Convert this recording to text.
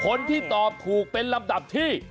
คนที่ตอบถูกเป็นลำดับที่